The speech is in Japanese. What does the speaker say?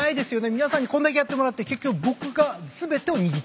皆さんにこんだけやってもらって結局僕が全てを握っていると。